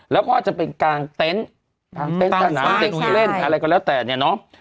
แล้วก็จะเป็นกลางเต็นต์ตั้งสายใช่อะไรก็แล้วแต่เนี้ยเนอะ